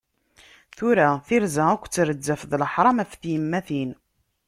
Tura tirza akk d trezzaf d leḥram ɣef tyemmatin.